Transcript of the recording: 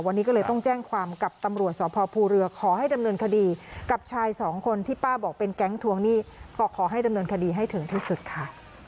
วันนี้ก็เลยต้องแจ้งความกับตำรวจสพภูเรือขอให้ดำเนินคดีกับชายสองคนที่ป้าบอกเป็นแก๊งทวงหนี้ก็ขอให้ดำเนินคดีให้ถึงที่สุดค่ะ